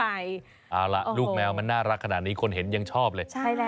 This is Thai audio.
เอาล่ะลูกแมวมันน่ารักขนาดนี้คนเห็นยังชอบเลย